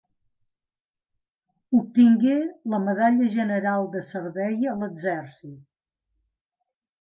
Obtingué la Medalla General de Servei a l'exèrcit.